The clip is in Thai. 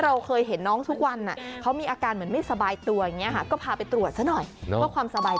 เราเห็นน้องทุกวันน่ะเขามีอาการเหมือนไม่สบายตัวอย่างนี้ก็พาไปตรวจสักหน่อย